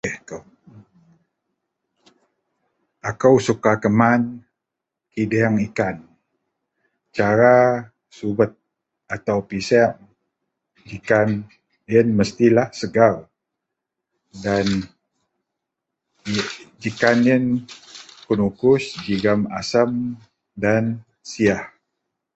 Akou suka keman kideang ikan, cara subet atau piseak ikan yen mesti lah segar dan ikan yen kenukuih jegem asem dan siyah.